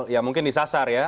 ya mungkin disasar ya